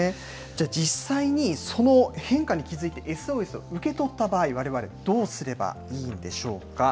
じゃあ、実際に、その変化に気付いてＳＯＳを受け取った場合、われわれどうすればいいんでしょうか。